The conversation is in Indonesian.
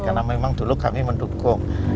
karena memang dulu kami mendukung